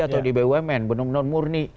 atau di bumn benar benar murni